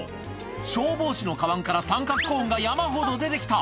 消防士のかばんから、三角コーンが山ほど出てきた。